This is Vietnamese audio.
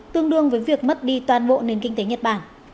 tương đương với việc mất đi toàn bộ nền kinh tế nhật bản